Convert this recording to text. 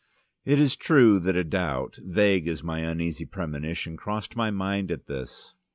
It is true, that a doubt, vague as my uneasy premonition, crossed my mind at this.